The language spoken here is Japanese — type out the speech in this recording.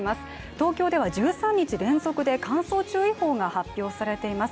東京では１３日連続で乾燥注意報が発表されています。